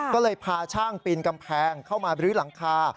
ก็เลยพาช่างปีนกำแพงเข้ามาบรื้อหลังคา